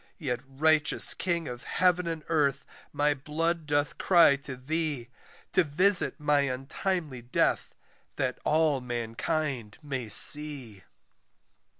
"Yet righteous KING of heaven and earth my blood doth cry to thee, "To visit my untimely death that all mankind may see."